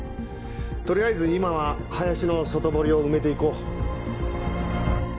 取りあえず今は林の外堀を埋めて行こう。